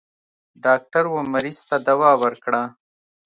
ډاکټر و مريض ته دوا ورکړه.